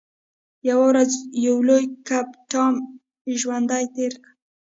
یوه ورځ یو لوی کب ټام ژوندی تیر کړ.